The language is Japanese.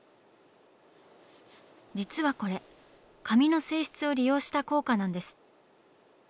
実はこれ紙の性質を利用した効果なんです。